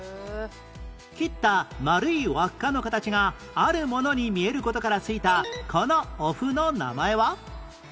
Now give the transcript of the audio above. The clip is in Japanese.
切った丸い輪っかの形があるものに見える事から付いたこのお麩の名前は？